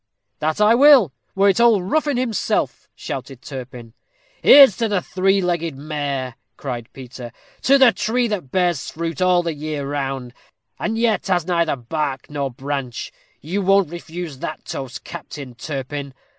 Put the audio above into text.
"That I will, were it old Ruffin himself," shouted Turpin. "Here's to the three legged mare," cried Peter. "To the tree that bears fruit all the year round, and yet has neither bark nor branch. You won't refuse that toast, Captain Turpin?"